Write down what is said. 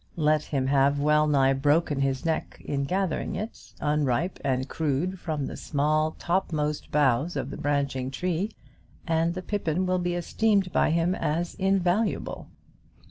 Let him have well nigh broken his neck in gathering it, unripe and crude, from the small topmost boughs of the branching tree, and the pippin will be esteemed by him as invaluable.